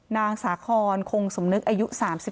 นางสาคอนคงสมนึกอายุ๓๒